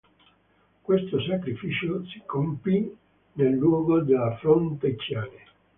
Questo sacrificio si compì nel luogo della fonte Ciane.